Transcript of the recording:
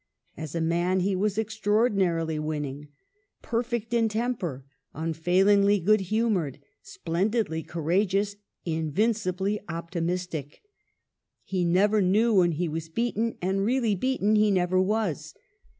As a man he was extraordinarily winning : perfect in temper, unfailingly good humoured, splendidly courageous; invincibly optimistic. He never knew when he was beaten, and really beaten he never was.